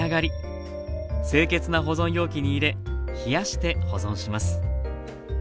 清潔な保存容器に入れ冷やして保存します